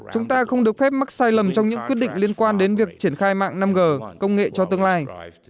chúng ta không được phép mắc sai lầm trong những quyết định liên quan đến việc triển khai mạng năm g công nghệ cho tương lai